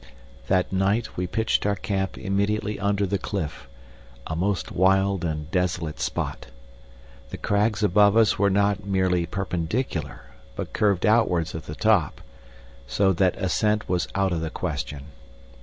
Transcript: That night we pitched our camp immediately under the cliff a most wild and desolate spot. The crags above us were not merely perpendicular, but curved outwards at the top, so that ascent was out of the question.